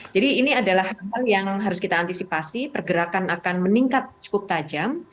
jadi ini adalah hal yang harus kita antisipasi pergerakan akan meningkat cukup tajam